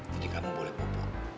jadi kamu boleh popok